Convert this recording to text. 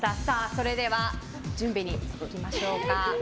それでは準備にいきましょうか。